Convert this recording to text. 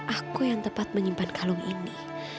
aku yang tepat menyimpan kalung ini